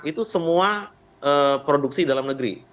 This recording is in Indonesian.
itu semua produksi dalam negeri